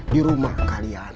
di rumah kalian